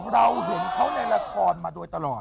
เราเห็นเขาในรักษณ์มาโดยตลอด